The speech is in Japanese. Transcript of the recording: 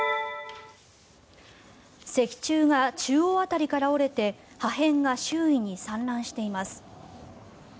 石柱が中央辺りから折れて破片が周囲に散乱しています。